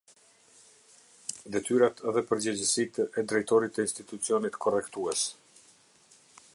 Detyrat dhe Përgjegjësitë e Drejtorit të Institucionit Korrektues.